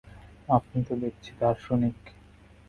আপনি তো দেখছি দার্শনিক।